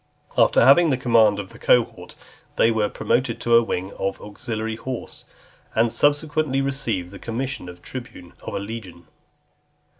After having the command of a cohort, they were promoted to a wing of auxiliary horse, and subsequently received the commission of tribune of a legion.